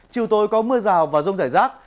chiều tối có mưa rào và rông rải rác